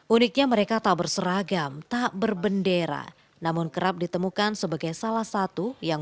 uniknya mereka tak berseragam tak berbendera namun kerap ditemukan sebagai salah satu yang